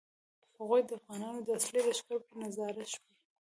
هغوی د افغانانو د اصلي لښکر په انتظار شول.